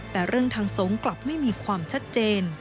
แต่เรื่องทางสงฆ์กลับไม่มีความชัดเจน